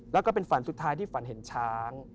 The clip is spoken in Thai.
แล้วก็เป็นฝันสุดท้ายที่ฝันเห็นช้าง